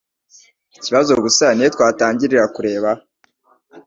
Ikibazo gusa ni he twatangirira kureba?